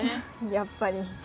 やっぱり。